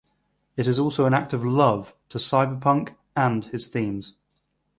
It is also an act of love to cyberpunk and his themes.